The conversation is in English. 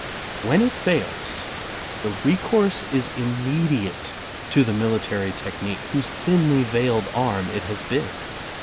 When it fails, the recourse is immediate to the military technique whose thinly veiled arm it has been.